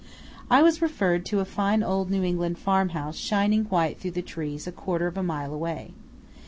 I was referred to a fine old New England farm house shining white through the trees a quarter of a mile away.